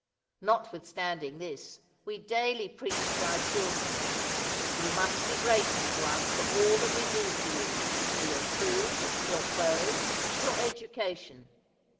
Notwithstanding this we daily preach to our children: "You must be grateful to us for all that we do for you, for your food, your clothes, your education."